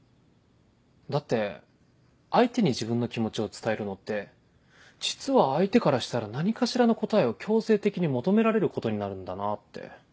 だって相手に自分の気持ちを伝えるのって実は相手からしたら何かしらの答えを強制的に求められることになるんだなって。